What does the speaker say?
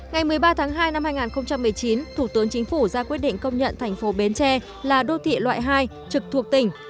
ngày một mươi ba tháng hai năm hai nghìn một mươi chín thủ tướng chính phủ ra quyết định công nhận thành phố bến tre là đô thị loại hai trực thuộc tỉnh